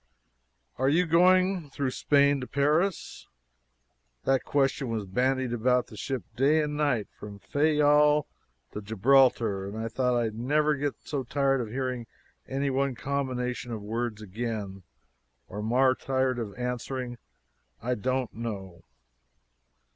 "Are you going through Spain to Paris?" That question was bandied about the ship day and night from Fayal to Gibraltar, and I thought I never could get so tired of hearing any one combination of words again or more tired of answering, "I don't know."